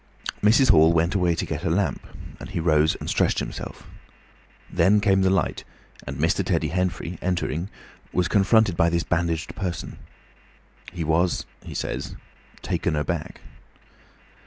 Mrs. Hall went away to get a lamp, and he rose and stretched himself. Then came the light, and Mr. Teddy Henfrey, entering, was confronted by this bandaged person. He was, he says, "taken aback."